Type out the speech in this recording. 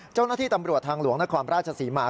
เจ้าหน้าที่ตำรวจทางหลวงนครราชศรีมา